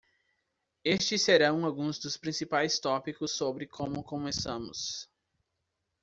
Estes serão alguns dos principais tópicos sobre como começamos.